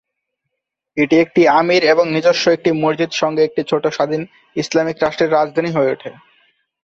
এটি একটি আমীর এবং নিজস্ব একটি মসজিদ সঙ্গে একটি ছোট স্বাধীন ইসলামিক রাষ্ট্রের রাজধানী হয়ে ওঠে।